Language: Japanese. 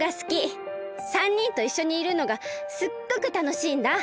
３にんといっしょにいるのがすっごくたのしいんだ！